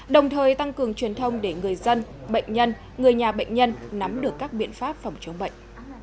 đồng thời tăng cường truyền thông để người dân bệnh nhân người nhà bệnh nhân nắm được các biện pháp phòng chống bệnh